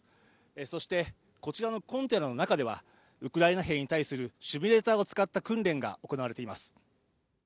そしてこちらのコンテナの中ではウクライナ兵に対するシミュレーターを使った訓練が行われています。